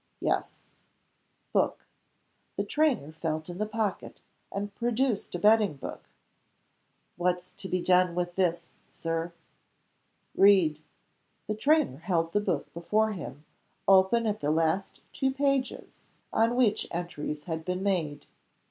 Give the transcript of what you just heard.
"Yes. Book." The trainer felt in the pocket, and produced a betting book. "What's to be done with this. Sir?" "Read." The trainer held the book before him; open at the last two pages on which entries had been made.